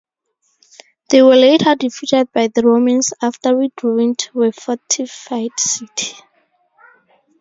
They were later defeated by the Romans after withdrawing to a fortified city.